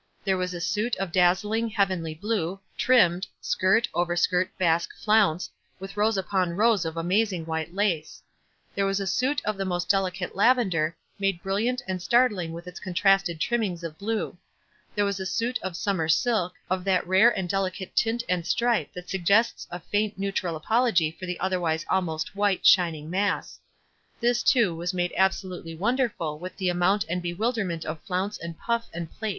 There was a suit of daz zling, heavenly blue, trimmed — skirt, over skirt, basque, flounce — with rows upon rows of amazing white lace ; there was a suit of the most delicate lavender, made brilliant and start ling with its contrasted trimmings of blue ; there was a suit of summer silk, of that rare and delicate tint and stripe that suggests a faint neutral apology for the otherwise almost white, shining mass ; this too, was made absolutely wonderful with the amount and bewilderment of flounce and puff and plait.